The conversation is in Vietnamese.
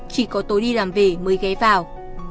chỉ có tôi đi làm về mới ghé vào